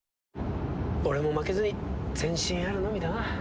俺も負けずに前進あるのみだな。